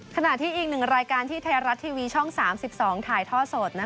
ขณะที่อีกหนึ่งรายการที่ไทยรัฐทีวีช่อง๓๒ถ่ายท่อสด